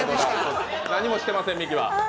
何もしてません、ミキは。